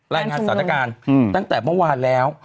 รายงานสถานการณ์ตั้งแต่เมื่อวานแล้ว